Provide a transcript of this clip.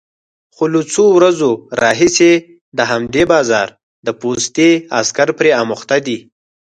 خو له څو ورځو راهيسې د همدې بازار د پوستې عسکر پرې اموخته دي،